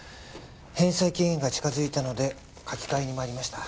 返済期限が近づいたので書き換えにまいりました